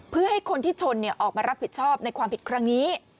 เพื่อให้คนที่ชนออกมารับผิดชอบในความผิดครั้งนี้